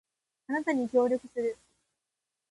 あなたに協力する